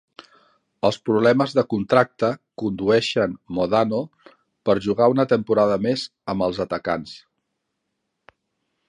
Els problemes de contracte condueixen Modano per jugar una temporada més amb els atacants.